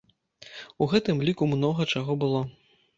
У гэтым ліку многа чаго было.